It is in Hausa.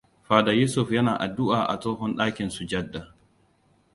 Father Yusuf yana addu’a a tsohon ɗakin sujada.